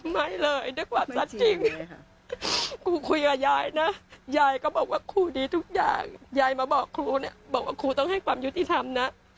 ไม่เลยด้วยความชัดจริงครูคุยกับยายนะยายก็บอกว่าครูดีทุกอย่างยายมาบอกครูเนี่ยบอกว่าครูต้องให้ความยุติธรรมนะ